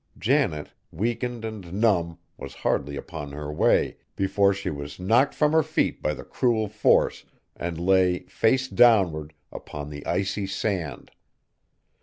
Janet, weakened and numb, was hardly upon her way, before she was knocked from her feet by the cruel force and lay, face downward, upon the icy sand!